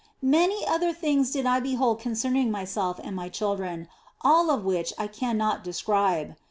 Many other things did I behold concerning myself and my children, all of which I cannot describe.